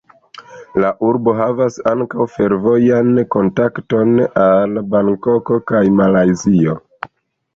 La urbo havas ankaŭ fervojan kontakton al Bankoko kaj Malajzio.